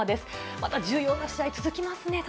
また重要な試合、続きますね。